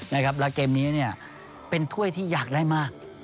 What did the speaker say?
แล้วเกมนี้เป็นถ้วยที่อยากได้มาก